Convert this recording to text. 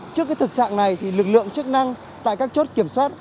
trước cái thực trạng này thì lực lượng chức năng tại các chốt kiểm soát